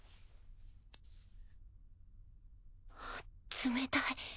冷たい。